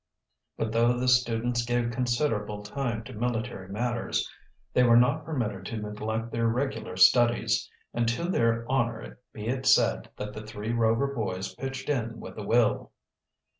But though the students gave considerable time to military matters, they were not permitted to neglect their regular studies, and to their honor be it said that the three Rover boys pitched in with a will.